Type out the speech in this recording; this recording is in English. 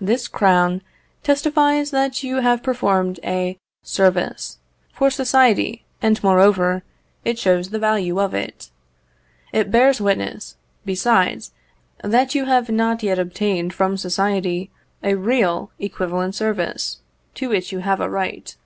This crown testifies that you have performed a service for society, and, moreover, it shows the value of it. It bears witness, besides, that you have not yet obtained from society a real equivalent service, to which you have a right.